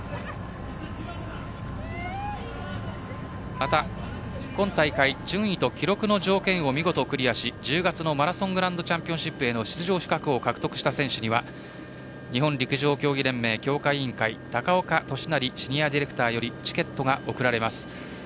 また、今大会順位と記録の条件を見事クリアし１０月のマラソングランドチャンピオンシップへの出場資格を獲得した選手にはシニアディレクターよりチケットが贈られます。